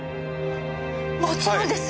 もちろんです！